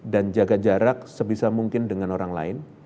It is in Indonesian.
dan jaga jarak sebisa mungkin dengan orang lain